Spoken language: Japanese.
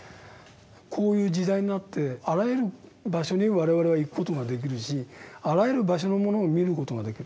こういう時代になってあらゆる場所に我々は行く事ができるしあらゆる場所のものを見る事ができる。